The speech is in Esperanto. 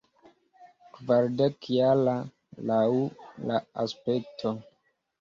Kvardekjara, laŭ la aspekto.